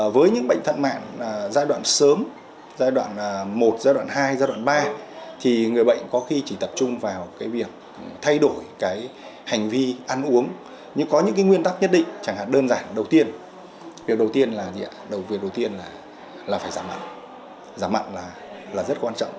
với những bệnh thật mạng giai đoạn sớm giai đoạn một giai đoạn hai giai đoạn ba thì người bệnh có khi chỉ tập trung vào việc thay đổi hành vi ăn uống nhưng có những nguyên tắc nhất định chẳng hạn đơn giản đầu tiên là phải giảm mặn giảm mặn là rất quan trọng